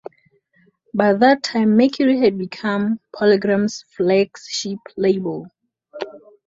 By that time, Mercury had become PolyGram's flagship label.